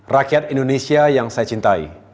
rakyat indonesia yang saya cintai